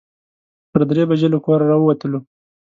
پر درې بجې له کوره راووتلو.